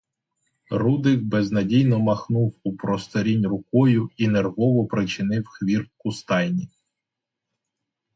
Рудик безнадійно махнув у просторінь рукою і нервово причинив хвіртку стайні.